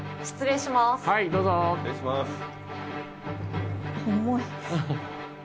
失礼します。